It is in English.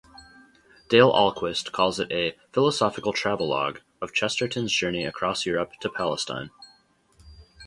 Dale Ahlquist calls it a "philosophical travelogue" of Chesterton's journey across Europe to Palestine.